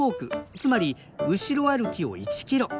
つまり後ろ歩きを１キロ。